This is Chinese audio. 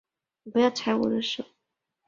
性格是盛气凌人的臭美大小姐类型。